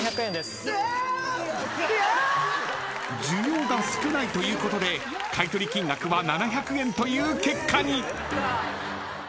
［需要が少ないということで買取金額は７００円という結果に］